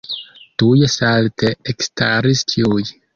Tuj salte ekstaris ĉiuj.